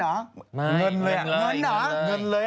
เงินเลย